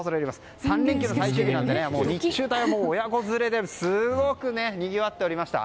３連休の最終日なので、日中は親子連れですごくにぎわっておりました。